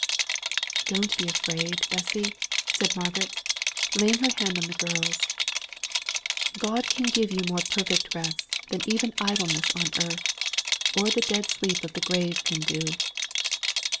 "Don't be afraid, Bessy," said Margaret, laying her hand on the girl's hand; "God can give you more perfect rest than even idleness on earth, or the dead sleep of the grave can do."